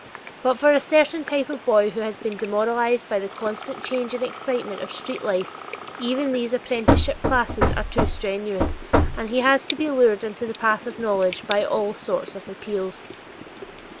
But for a certain type of boy who has been demoralized by the constant change and excitement of street life, even these apprenticeship classes are too strenuous, and he has to be lured into the path of knowledge by all sorts of appeals.